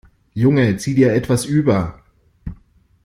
Junge, zieh dir etwas über.